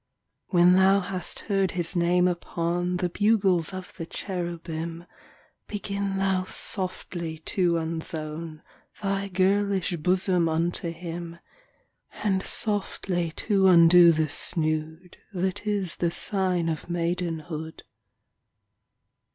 When thou hast heard his name upon The bugles of the cherubim Begin thou softly to unzone Thy girlish bosom unto him And softly to undo the snood That is the sign of maidenhood.